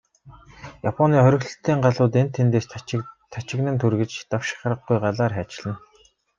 Японы хориглолтын галууд энд тэндээс тачигнан тургиж, давших аргагүй галаар хайчилна.